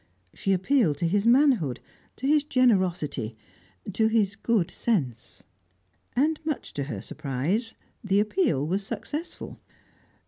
She appealed to his manhood, to his generosity, to his good sense. And, much to her surprise, the appeal was successful.